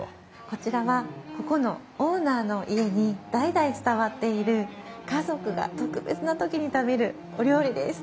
こちらはここのオーナーの家に代々伝わっている家族が特別な時に食べるお料理です。